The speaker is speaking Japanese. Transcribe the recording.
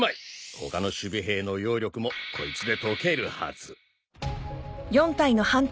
他の守備兵の妖力もこいつで解けるはず。